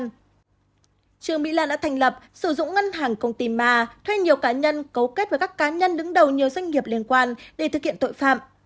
trương mỹ lan đã thành lập sử dụng ngân hàng công ty ma thuê nhiều cá nhân cấu kết với các cá nhân đứng đầu nhiều doanh nghiệp liên quan để thực hiện tội phạm